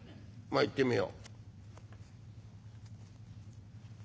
まあ行ってみよう」。